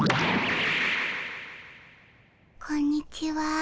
こんにちは。